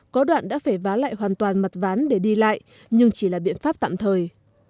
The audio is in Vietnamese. có đoạn đã phải vá lại hoàn toàn mặt ván để đi lại nhưng chỉ là biện pháp tạm thời